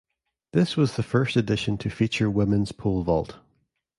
This was the first edition to feature women's pole vault.